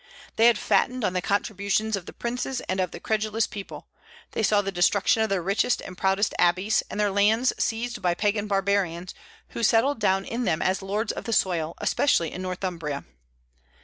They had fattened on the contributions of princes and of the credulous people; they saw the destruction of their richest and proudest abbeys, and their lands seized by Pagan barbarians, who settled down in them as lords of the soil, especially in Northumbria.